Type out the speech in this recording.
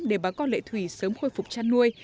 để bà con lệ thủy sớm khôi phục chăn nuôi